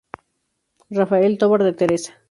Rafael Tovar de Teresa.